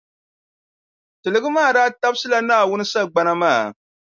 Tiligi maa daa tabisila Naawuni sagbana maa.